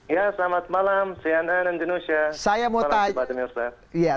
ya selamat malam cnn indonesia